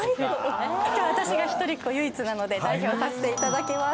今日は私が一人っ子唯一なので代表させていただきます。